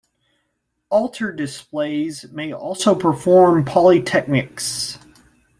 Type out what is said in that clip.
Altar displays may also form polyptychs.